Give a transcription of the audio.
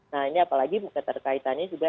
nah ini apalagi keterkaitannya juga